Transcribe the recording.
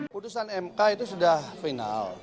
putusan mk itu sudah final